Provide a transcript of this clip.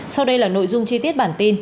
sau đây là nội dung chi tiết bản tin